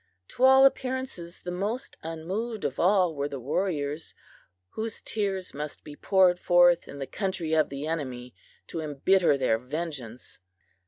To all appearances the most unmoved of all were the warriors, whose tears must be poured forth in the country of the enemy to embitter their vengeance.